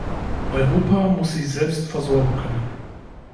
Europa muss sich selbst versorgen können.